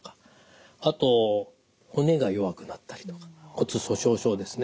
あと骨が弱くなったりとか骨粗しょう症ですね。